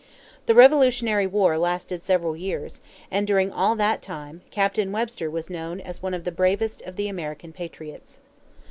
The Revolutionary War lasted several years; and during all that time, Captain Webster was known as one of the bravest of the American patriots.